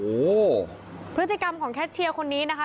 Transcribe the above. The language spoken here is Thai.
โอ้โหพฤติกรรมของแคชเชียร์คนนี้นะคะ